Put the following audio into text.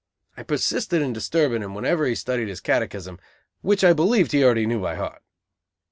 I persisted in disturbing him whenever he studied his catechism, which I believed he already knew by heart.